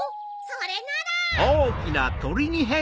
それなら！